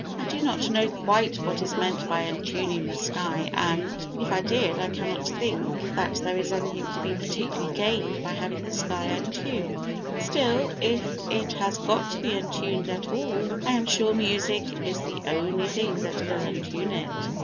I do not know quite what is meant by untuning the sky and, if I did, I cannot think that there is anything to be particularly gained by having the sky untuned; still, if it has got to be untuned at all, I am sure music is the only thing that can untune it.